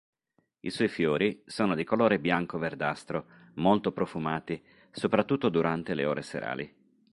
I suoi fiori sono di colore bianco-verdastro, molto profumati, soprattutto durante le ore serali.